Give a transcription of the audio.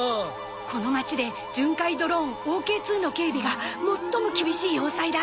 この町で巡回ドローンＯＫ−２の警備が最も厳しい要塞だ。